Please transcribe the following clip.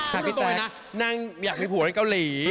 ค่ะพี่โต๊ยนะนั่งอยากมีผัวให้เกาหลี